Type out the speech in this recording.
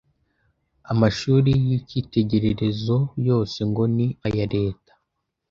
Amashure y’ikitegererezo yose ngo ni aya Leta